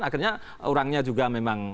akhirnya orangnya juga memang